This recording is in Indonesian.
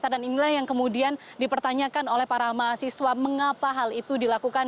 dan inilah yang kemudian dipertanyakan oleh para mahasiswa mengapa hal itu dilakukan